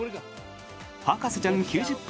「博士ちゃん」９０分